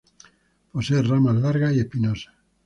Posee ramas largas y espinosas.